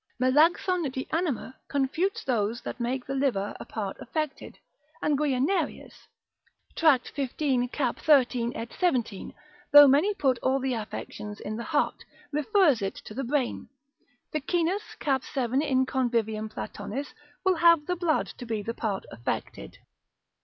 Melancthon de anima confutes those that make the liver a part affected, and Guianerius, Tract. 15. cap. 13 et 17. though many put all the affections in the heart, refers it to the brain. Ficinus, cap. 7. in Convivium Platonis, will have the blood to be the part affected.